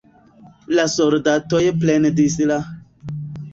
La soldatoj plendis La.